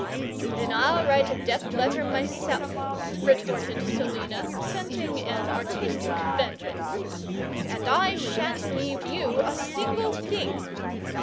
"Then I'll write a death letter myself," retorted Selina, scenting an artistic vengeance: "and I sha'n't leave you a single thing!"